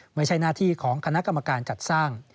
ไม่ใช่หน้าที่ของคณะกรรมการจัดสร้าง